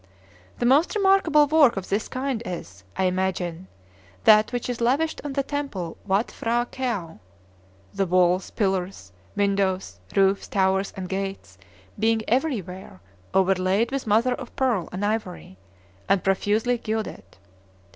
The most remarkable work of this kind is, I imagine, that which is lavished on the temple Watt P'hra Këau, the walls, pillars, windows, roofs, towers, and gates being everywhere overlaid with mother of pearl and ivory, and profusely gilded.